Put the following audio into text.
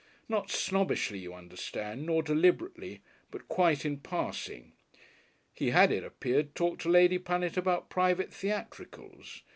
Not snobbishly, you understand, nor deliberately, but quite in passing. He had, it appeared, talked to Lady Punnet about private theatricals!